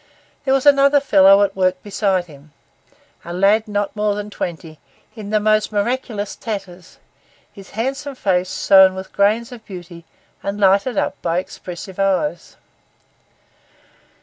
There was another fellow at work beside him, a lad not more than twenty, in the most miraculous tatters, his handsome face sown with grains of beauty and lighted up by expressive eyes.